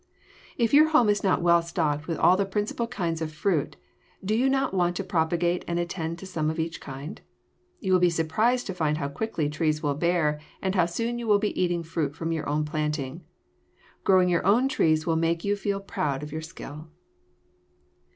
If your home is not well stocked with all the principal kinds of fruit, do you not want to propagate and attend to some of each kind? You will be surprised to find how quickly trees will bear and how soon you will be eating fruit from your own planting. Growing your own trees will make you feel proud of your skill.